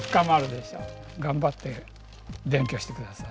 頑張って勉強して下さい。